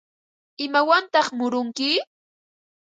¿Imawantaq murunki?